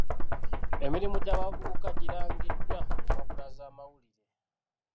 Emirimu gy'abavubuka girangiddwa mu mpapula z'amawulire.